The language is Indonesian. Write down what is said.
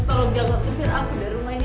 gue tetap mau tinggal di rumah ini